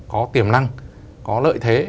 có tiềm năng có lợi thế